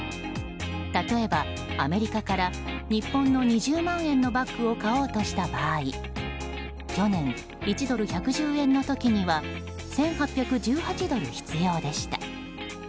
例えば、アメリカから日本の２０万円のバッグを買おうとした場合去年１ドル＝１１０円の時には１８１８ドル必要でした。